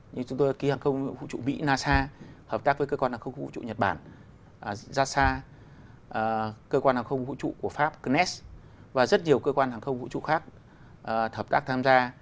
như chúng tôi ký hàng không vũ trụ mỹ nasa hợp tác với cơ quan hàng không vũ trụ nhật bản jasa cơ quan hàng không vũ trụ của pháp và rất nhiều cơ quan hàng không vũ trụ khác hợp tác tham gia